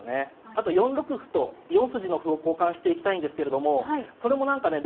あと４六歩と４筋の歩を交換していきたいんですけれどもそれも何かね